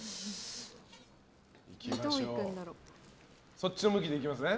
そっちの向きでいきますね。